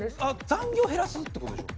残業減らすってことでしょ？